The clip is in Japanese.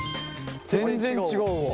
全然違うわ。